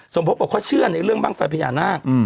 สมภพบอกเขาเชื่อเรื่องบ้างฝังพญานาค